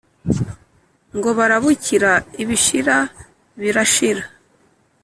ngo barabukira ibishira birashira